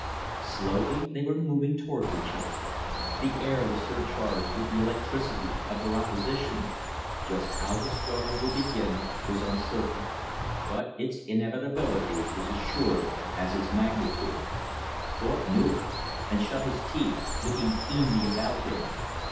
Slowly they were moving toward each other. The air was surcharged with the electricity of their opposition. Just how the struggle would begin was uncertain; but its inevitability was as assured as its magnitude. Thorpe knew it, and shut his teeth, looking keenly about him.